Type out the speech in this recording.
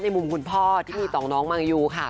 มุมคุณพ่อที่มีต่อน้องมายูค่ะ